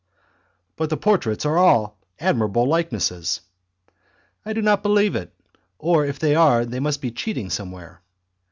"But the portraits are all admirable likenesses." "I do not believe it, or if they are then there must be cheating somewhere."